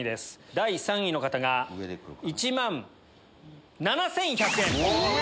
第３位の方が１万７１００円。